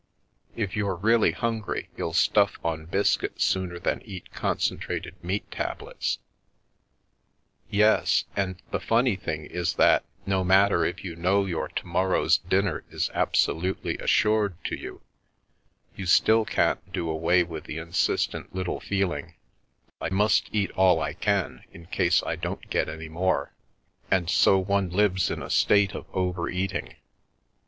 If you're really hungry youll stuff on biscuits sooner than eat concentrated meat tablets/ 9 " Yes, and the funny thing is that, no matter if you know your to morrow's dinner is absolutely assured to you, you still can't do away with the insistent little feel ing ' I must eat all I can, in case I don't get any more. 9 And so one lives in a state of over eating.